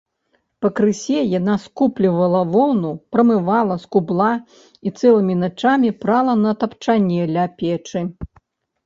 Пакрысе яна скуплівала воўну, прамывала, скубла і цэлымі начамі прала на тапчане ля печы.